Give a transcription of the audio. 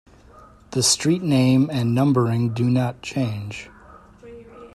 The street name and numbering do not change.